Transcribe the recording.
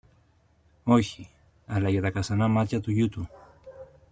Όχι, αλλά για τα καστανά μάτια του γιου του.